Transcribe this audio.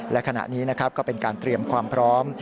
และขณะนี้นะครับก็เป็นการเตรียมความพร้อม